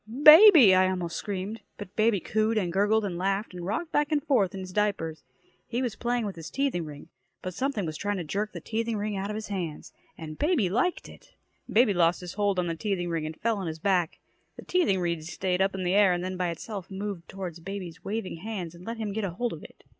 "Baby!" I almost screamed. But baby cooed and gurgled and laughed and rocked back and forth on his diapers. He was playing with his teething ring, but something was trying to jerk the teething ring out of his hands. And baby liked it. Baby lost his hold on the teething ring, and fell on his back. The teething ring stayed up in the air and then by itself moved toward baby's waving hands and let him get a hold of it.